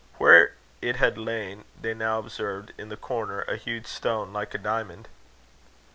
Where it had lain, they now observed, in the corner, a huge stone like a diamond.